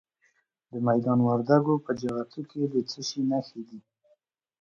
د میدان وردګو په جغتو کې د څه شي نښې دي؟